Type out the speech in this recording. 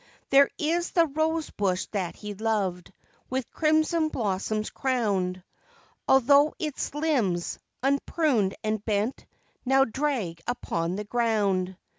There is the rose bush that he loved, with crimson blossoms crowned. Although its limbs, unpruned and bent, now drag upon the ground.